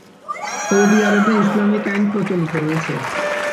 Saudi আরবে Islamic আইন প্রচলিত রয়েছে।